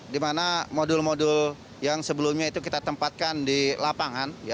di mana modul modul yang sebelumnya itu kita tempatkan di lapangan